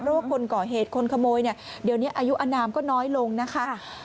เพราะว่าคนก่อเหตุคนขโมยเนี่ยเดี๋ยวนี้อายุอนามก็น้อยลงนะคะ